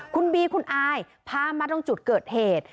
คุณบีคุณอายพามาตรงจุดเกิดเหตุ